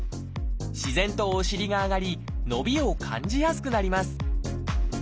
自然とお尻が上がり伸びを感じやすくなります